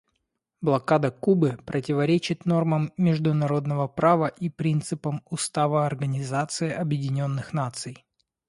Блокада Кубы противоречит нормам международного права и принципам Устава Организации Объединенных Наций.